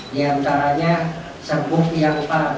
di antaranya serbuk yang a